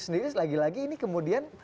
sendiri lagi lagi ini kemudian